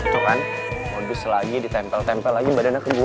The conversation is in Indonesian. tuh kan modus lagi ditempel tempel lagi badannya ke gue